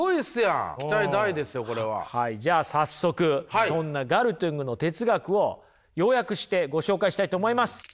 じゃあ早速そんなガルトゥングの哲学を要約してご紹介したいと思います。